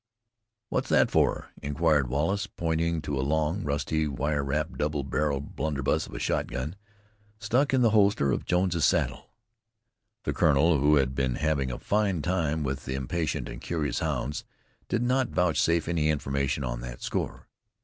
"What's that for?" inquired Wallace, pointing to a long, rusty, wire wrapped, double barreled blunderbuss of a shotgun, stuck in the holster of Jones's saddle. The Colonel, who had been having a fine time with the impatient and curious hounds, did not vouchsafe any information on that score.